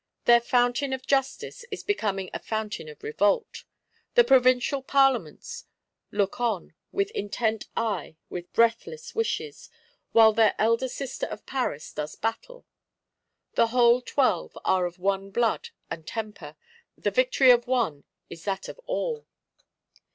Their Fountain of Justice is becoming a Fountain of Revolt. The Provincial Parlements look on, with intent eye, with breathless wishes, while their elder sister of Paris does battle: the whole Twelve are of one blood and temper; the victory of one is that of all.